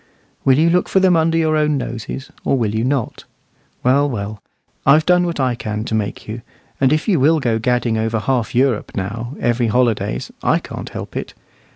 Will you look for them under your own noses, or will you not? Well, well, I've done what I can to make you; and if you will go gadding over half Europe now, every holidays, I can't help it.